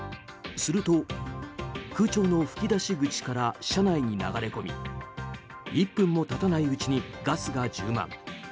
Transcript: すると空調の吹き出し口から車内に流れ込み１分も経たないうちにガスが充満。